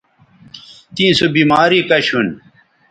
تیں سو بیماری کش ھون